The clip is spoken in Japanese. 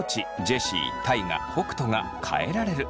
ジェシー大我北斗が変えられる。